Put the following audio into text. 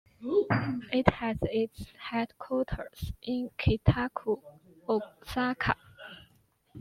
It has its headquarters in Kita-ku, Osaka.